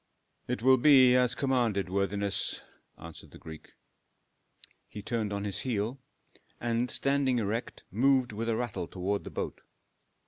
"It will be as commanded, worthiness," answered the Greek. He turned on his heel, and standing erect moved with a rattle toward the boat.